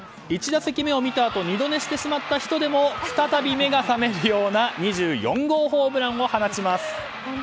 １打席目を見たあと二度寝してしまった人でも再び目が覚めるような２４号ホームランを放ちます。